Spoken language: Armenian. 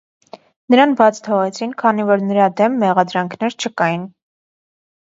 Նրան բաց թողեցին, քանի որ նրա դեմ մեղադրանքներ չկային։